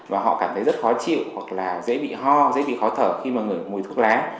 và họ cảm thấy rất khó chịu hoặc là dễ bị ho dễ bị khó thở khi mà mùi thuốc lá